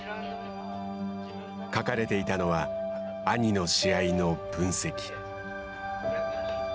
書かれていたのは兄の試合の分析。